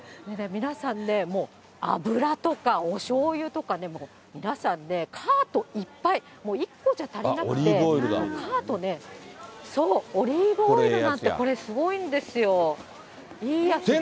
皆さんね、もう油とかおしょうゆとかね、もう皆さんね、カートいっぱい、１個じゃ足りなくて、カートね、オリーブオイルなんかこれ、すごいんですよ。